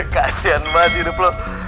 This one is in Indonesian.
kasihan banget hidup lo